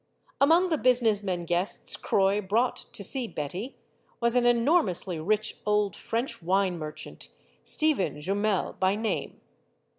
Among the business men guests Croix brought to see Betty was an enormously rich old French wine merchant, Stephen Jumel by name.